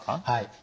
はい。